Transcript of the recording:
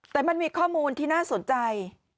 แต่มันมีข้อมูลที่น่าสนใจ